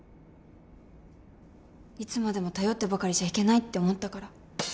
いつまでも頼ってばかりじゃいけないって思ったから。